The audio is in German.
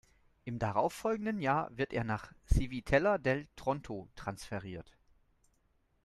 Im darauffolgenden Jahr wird er nach Civitella del Tronto transferiert.